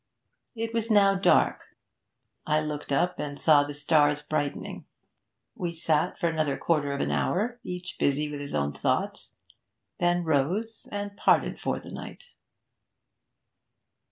It was now dark; I looked up and saw the stars brightening. We sat for another quarter of an hour, each busy with his own thoughts, then rose and parted for the night.